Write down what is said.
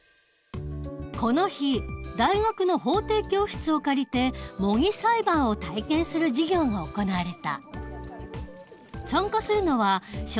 この日大学の法廷教室を借りて模擬裁判を体験する授業が行われた。